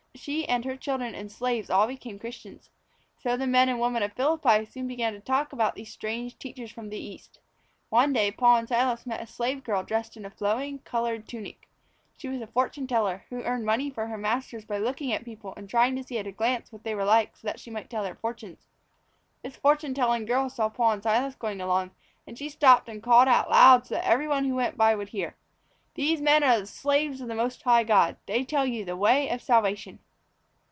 She and her children and slaves all became Christians. So the men and women of Philippi soon began to talk about these strange teachers from the East. One day Paul and Silas met a slave girl dressed in a flowing, coloured tunic. She was a fortune teller, who earned money for her masters by looking at people and trying to see at a glance what they were like so that she might tell their fortunes. The fortune telling girl saw Paul and Silas going along, and she stopped and called out loud so that everyone who went by might hear: "These men are the slaves of the Most High God. They tell you the way of Salvation."